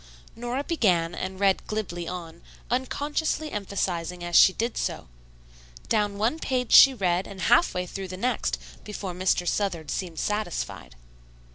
Nora began and read glibly on, unconsciously emphasizing as she did so. Down one page she read and half way through the next before Mr. Southard seemed satisfied.